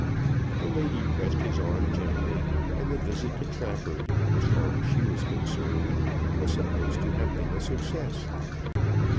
The lady pressed his arm gently, and the visit to Trafford, as far as she was concerned, was supposed to have been a success.